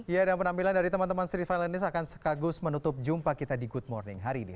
ya dan penampilan dari teman teman stre filance akan sekagus menutup jumpa kita di good morning hari ini